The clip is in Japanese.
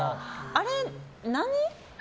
あれ、何？